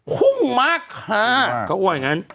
หุ้งมากค่ะ